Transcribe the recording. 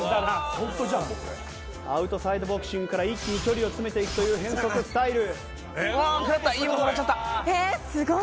アウトサイドボクシングから一気に距離を詰めていくという変則スタイル。